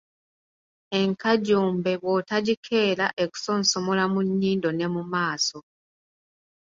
Enkajumbe bw'otagikeera ekusonsomola mu nnyindo ne mu maaso.